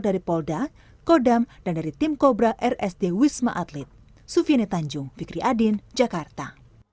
dari polda kodam dan dari tim kobra rsd wisma atlet sufiane tanjung fikri adin jakarta